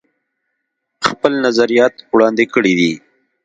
خپل نظريات وړاندې کړي دي